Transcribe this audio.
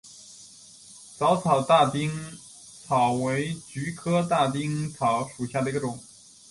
早花大丁草为菊科大丁草属下的一个种。